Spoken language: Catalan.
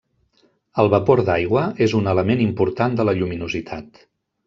El vapor d'aigua és un element important de la lluminositat.